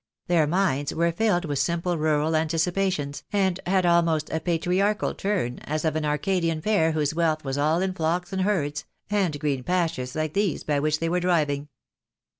Their minds were filled with simple rural anticipations, and had almost a patriarchal turn, as of an Arcadian pair whose wealth was all in flocks and herds, and green pastures like these by which they were driving.